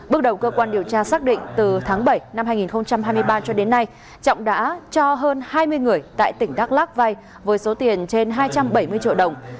bước đầu cơ quan điều tra xác định từ tháng bảy năm hai nghìn hai mươi ba cho đến nay trọng đã cho hơn hai mươi người tại tỉnh đắk lắc vay với số tiền trên hai trăm bảy mươi triệu đồng